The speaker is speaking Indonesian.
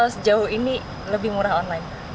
sejauh ini lebih murah online